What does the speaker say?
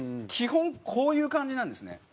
基本こういう感じなんですね。